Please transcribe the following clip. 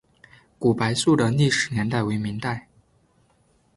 古柏树的历史年代为明代。